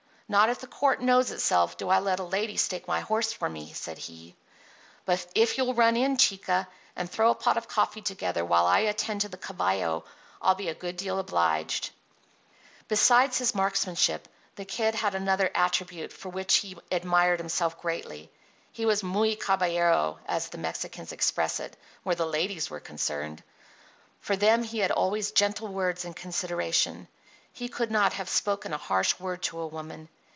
"Not if the court knows itself do I let a lady stake my horse for me," said he. "But if you'll run in, chica, and throw a pot of coffee together while I attend to the caballo, I'll be a good deal obliged." Besides his marksmanship the Kid had another attribute for which he admired himself greatly. He was muy caballero, as the Mexicans express it, where the ladies were concerned. For them he had always gentle words and consideration. He could not have spoken a harsh word to a woman.